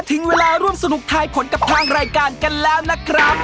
ถึงเวลาร่วมสนุกทายผลกับทางรายการกันแล้วนะครับ